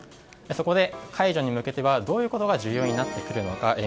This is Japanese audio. そこで、解除に向けてはどういうことが重要になってくるのか。